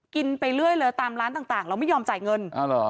กินไปเรื่อยเลยตามร้านต่างต่างเราไม่ยอมจ่ายเงินอ๋อเหรอ